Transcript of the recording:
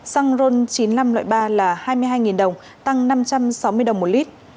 xăng ron chín mươi năm loại ba là hai mươi hai đồng tăng năm trăm sáu mươi đồng một lít